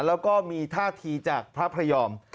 แล้วก็มีท่าทีจากพระพระยอม